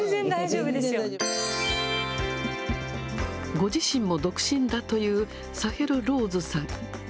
ご自身も独身だという、サヘル・ローズさん。